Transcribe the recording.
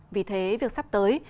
vì thế việc sắp tới